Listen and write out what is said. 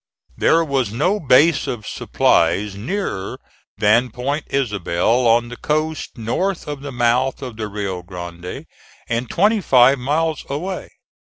There was no base of supplies nearer than Point Isabel, on the coast, north of the mouth of the Rio Grande and twenty five miles away.